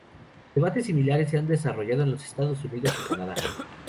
Debates similares se han desarrollado en los Estados Unidos y Canadá.